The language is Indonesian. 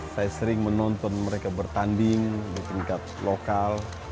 saya sering menonton mereka bertanding di tingkat lokal